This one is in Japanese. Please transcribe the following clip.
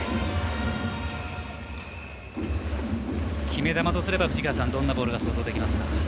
決め球とすれば藤川さんどんなボールですか。